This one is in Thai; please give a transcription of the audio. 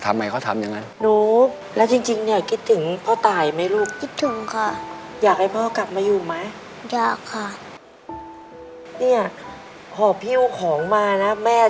ทำไงเขาทำอย่างนั้น